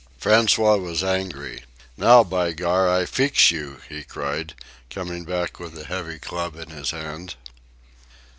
François was angry. "Now, by Gar, I feex you!" he cried, coming back with a heavy club in his hand.